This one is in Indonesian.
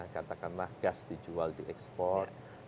katakanlah gas dijual di ekspor